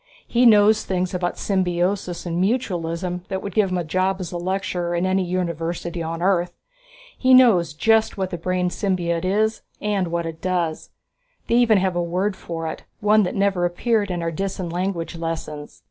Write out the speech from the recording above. "He knows things about symbiosis and mutualism that would get him a job as a lecturer in any university on Earth. He knows just what the brain symbiote is and what it does. They even have a word for it, one that never appeared in our Disan language lessons.